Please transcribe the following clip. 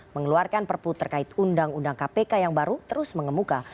mengeluarkan perpu terkait undang undang kpk yang baru terus mengemuka